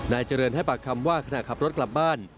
นายเจริญให้ปากคำว่าขณะขับรถกลับบ้าน